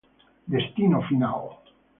destino final